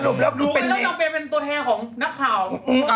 สรุปแล้วคือเป็นเน่หรือเปล่า